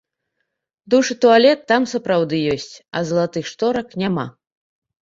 Душ і туалет там сапраўды ёсць, а залатых шторак няма.